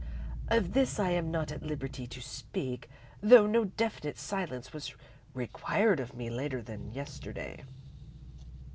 Of this I am not at liberty to speak, though no definite silence was required of me later than yesterday.